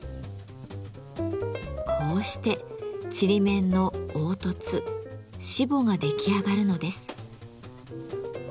こうしてちりめんの凹凸しぼが出来上がるのです。